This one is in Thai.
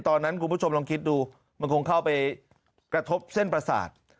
คุณผู้ชมลองคิดดูมันคงเข้าไปกระทบเส้นประสาท